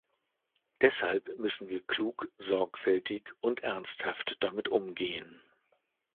Deshalb müssen wir klug, sorgfältig und ernsthaft damit umgehen.